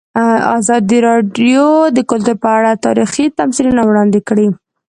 ازادي راډیو د کلتور په اړه تاریخي تمثیلونه وړاندې کړي.